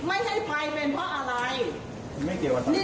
ไม่ใช่ไฟเป็นเพราะอะไร